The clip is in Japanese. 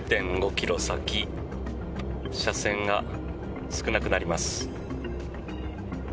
ｋｍ先車線が少なくなります。